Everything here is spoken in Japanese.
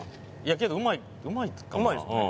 けどうまいうまいですよね